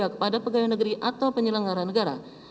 kepada pegawai negeri atau penyelenggara negara